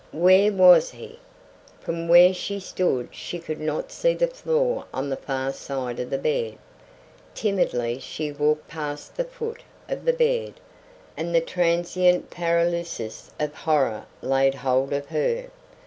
Where was he? From where she stood she could not see the floor on the far side of the bed. Timidly she walked past the foot of the bed and the transient paralysis of horror laid hold of her.